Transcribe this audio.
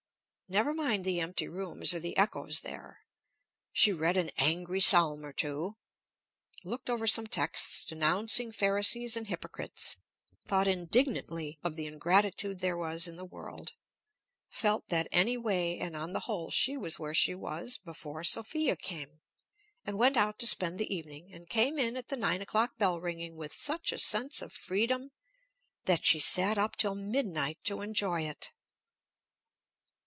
Never mind the empty rooms, or the echoes there! She read an angry psalm or two, looked over some texts denouncing pharisees and hypocrites, thought indignantly of the ingratitude there was in the world, felt that any way, and on the whole, she was where she was before Sophia came, and went out to spend the evening, and came in at the nine o'clock bell ringing with such a sense of freedom, that she sat up till midnight to enjoy it.